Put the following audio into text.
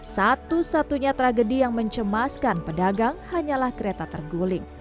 satu satunya tragedi yang mencemaskan pedagang hanyalah kereta terguling